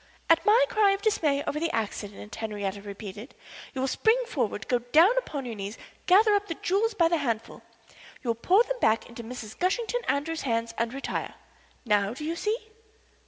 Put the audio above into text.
At my cry of dismay over the accident," Henriette repeated, "you will spring forward, go down upon your knees, and gather up the jewels by the handful. You will pour them back into Mrs. Gushington Andrews's hands and retire. Now, do you see?"